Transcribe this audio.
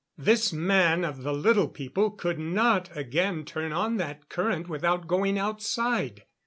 This man of the Little People could not again turn on that current without going outside.